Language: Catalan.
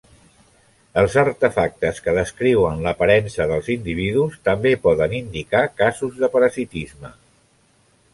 Els artefactes que descriuen l'aparença dels individus també poden indicar casos de parasitisme.